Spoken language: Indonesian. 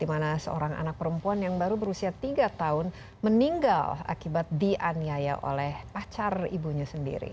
di mana seorang anak perempuan yang baru berusia tiga tahun meninggal akibat dianiaya oleh pacar ibunya sendiri